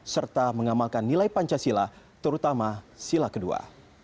serta mengamalkan nilai pancasila terutama sila kedua